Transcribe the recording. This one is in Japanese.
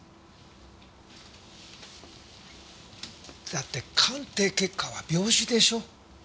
だって鑑定結果は病死でしょ？